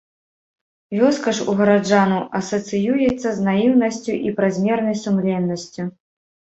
Вёска ж у гараджанаў асацыюецца з наіўнасцю і празмернай сумленнасцю.